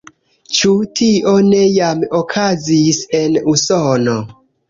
Ĉu tio ne jam okazis en Usono?